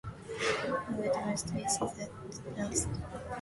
"I will trust you," she said at last.